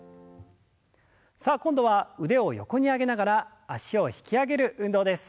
さあ今度は腕を横に上げながら脚を引き上げる運動です。